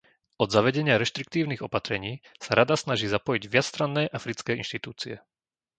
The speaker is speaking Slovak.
Od zavedenia reštriktívnych opatrení sa Rada snaží zapojiť viacstranné africké inštitúcie.